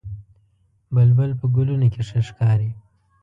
بلبل په ګلونو کې ښه ښکاري